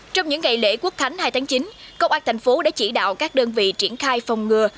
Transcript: trong những ngày lễ quốc khánh hai tháng chín công an thành phố đã chỉ đạo các đơn vị triển khai phòng ngừa